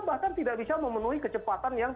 bahkan tidak bisa memenuhi kecepatan yang